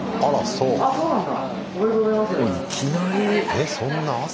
えっそんな朝。